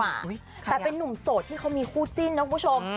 แต่เป็นนุ่มโสดที่เขามีคู่จิ้นนะคุณผู้ชม